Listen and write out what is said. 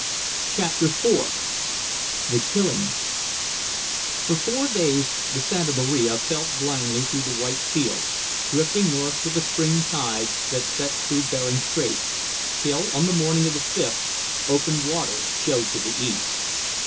CHAPTER IV THE KILLING For four days the Santa Maria felt blindly through the white fields, drifting north with the spring tide that sets through Behring Strait, till, on the morning of the fifth, open water showed to the east.